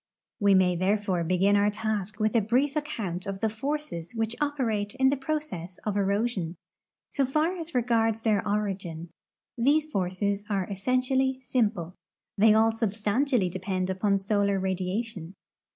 'We may therefore begin our task with a brief account of the forces which operate in the jn ocess of erosion. So far as regards their origin, these forces are essentially simple. They all substantially depend upon solar radiation.